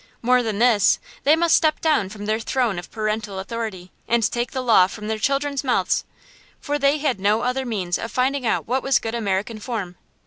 More than this, they must step down from their throne of parental authority, and take the law from their children's mouths; for they had no other means of finding out what was good American form.